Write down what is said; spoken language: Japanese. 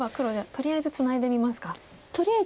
とりあえずツナいでみますか。